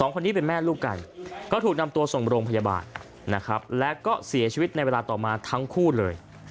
คนนี้เป็นแม่ลูกกันก็ถูกนำตัวส่งโรงพยาบาลนะครับและก็เสียชีวิตในเวลาต่อมาทั้งคู่เลย